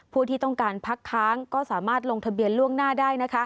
ที่ต้องการพักค้างก็สามารถลงทะเบียนล่วงหน้าได้